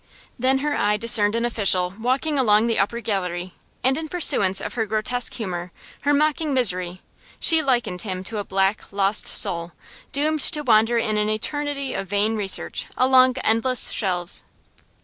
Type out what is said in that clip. Then her eye discerned an official walking along the upper gallery, and in pursuance of her grotesque humour, her mocking misery, she likened him to a black, lost soul, doomed to wander in an eternity of vain research along endless shelves.